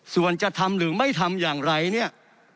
ส่วนจะทำหรือไม่ทำอย่างไรเนี่ย